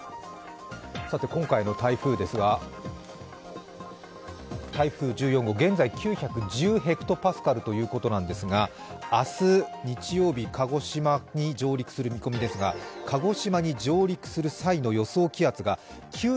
今回の台風ですが台風１４号、現在９１５ｈＰａということですが明日、日曜日、鹿児島に上陸する見込みですが鹿児島に上陸する際の予想